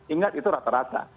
ingat itu rata rata